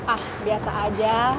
ah biasa aja